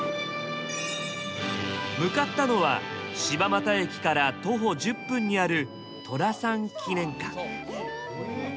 向かったのは柴又駅から徒歩１０分にある寅さん記念館。